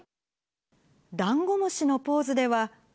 ダンゴムシのポーズでは。